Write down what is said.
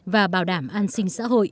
và bảo đảm an sinh xã hội